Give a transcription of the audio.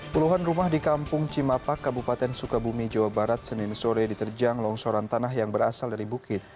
puluhan rumah di kampung cimapak kabupaten sukabumi jawa barat senin sore diterjang longsoran tanah yang berasal dari bukit